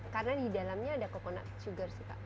karena di dalamnya ada coconut sugar sih kak